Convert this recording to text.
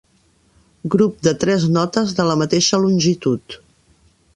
Grup de tres notes de la mateixa longitud.